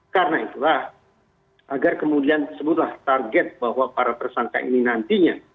karena itulah agar kemudian disebutlah target bahwa para tersangka ini nantinya